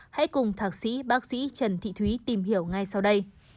hãy cùng thạc sĩ bác sĩ trần thị thúy tìm hiểu ngay sau đây